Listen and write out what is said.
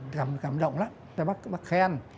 tôi cảm động lắm tôi bắt khen